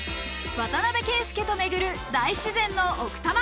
渡邊圭祐と巡る大自然の奥多摩。